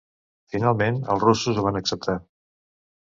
Finalment els russos ho van acceptar.